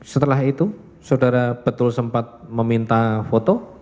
setelah itu saudara betul sempat meminta foto